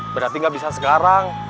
berarti gak bisa sekarang